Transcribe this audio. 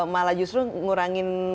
malah justru ngurangin